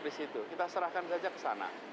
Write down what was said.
di situ kita serahkan saja ke sana